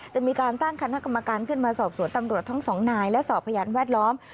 จะมีการตั้งคณะกรรมการขึ้นมาสอบสวนตำรวจทั้งสองนายและสอบพยานแวดล้อม